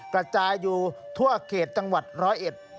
กระจายอยู่ทั่วเขตจังหวัดร้อยเอ็ด